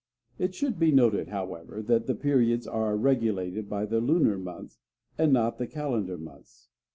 It should be noted, however, that the periods are regulated by the lunar months, and not the calendar months.